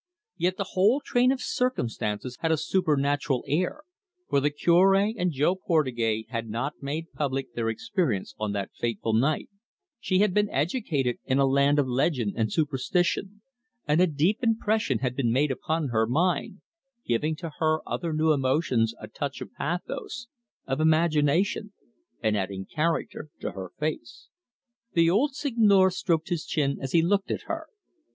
Yet the whole train of circumstances had a supernatural air, for the Cure and Jo Portugais had not made public their experience on the eventful night; she had been educated in a land of legend and superstition, and a deep impression had been made upon her mind, giving to her other new emotions a touch of pathos, of imagination, and adding character to her face. The old Seigneur stroked his chin as he looked at her.